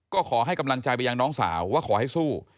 ก็ขอให้กำลังใจไปยังน้องสาวว่าขอให้สู้